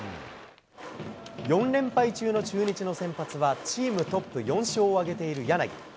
４連敗中の中日の先発は、チームトップ４勝を挙げている柳。